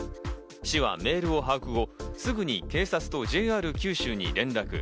市はメールを把握後、すぐに警察とＪＲ九州に連絡。